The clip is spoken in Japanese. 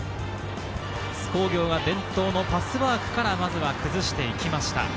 津工業が伝統のパスワークからまずは崩していきました。